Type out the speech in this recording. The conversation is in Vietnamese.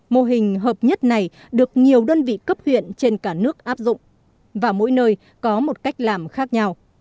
mô hình hợp nhất này được nhiều đơn vị cấp huyện trên cả nước áp dụng và mỗi nơi có một cách làm khác nhau